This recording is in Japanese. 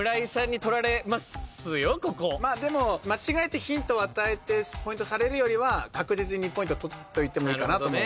間違えてヒント与えてポイントされるよりは確実に２ポイント取っといてもいいかなと。